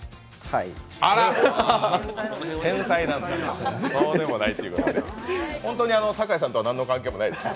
天才なんだ、そうでもないと本当に酒井さんとは何の関係もないんですか？